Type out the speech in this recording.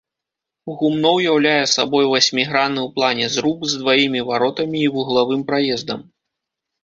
Гумно ўяўляе сабой васьмігранны ў плане зруб з дваімі варотамі і вуглавым праездам.